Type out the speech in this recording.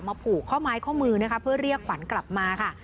ผูกข้อไม้ข้อมือนะคะเพื่อเรียกขวัญกลับมาค่ะ